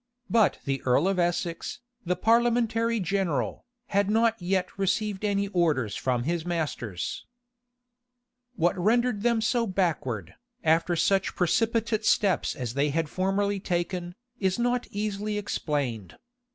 But the earl of Essex, the parliamentary general, had not yet received any orders from his masters.[*] * Clarendon, vol. iii. p. 1, 2. What rendered them so backward, after such precipitate steps as they had formerly taken, is not easily explained.